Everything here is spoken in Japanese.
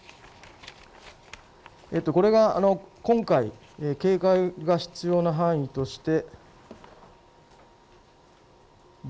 これが今回、警戒が必要な範囲として。